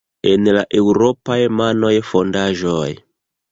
en la eŭropaj monaj fondaĵoj.